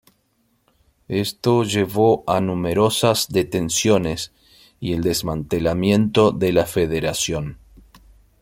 Esto llevó a numerosas detenciones y al desmantelamiento de la Federación.